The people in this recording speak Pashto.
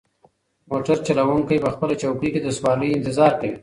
موټر چلونکی په خپله چوکۍ کې د سوارلۍ انتظار کوي.